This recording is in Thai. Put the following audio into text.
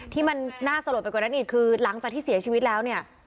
ที่มันน่าสลดไปกว่านั้นอีกคือหลังจากที่เสียชีวิตแล้วเนี่ย